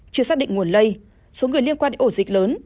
chưa xác định nguồn lây số người liên quan đến ổ dịch lớn